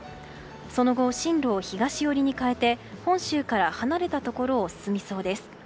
その後、進路を東寄りに変えて本州から離れたところを進みそうです。